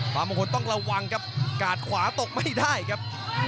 บางคนต้องระวังครับกาดขวาตกไม่ได้ครับ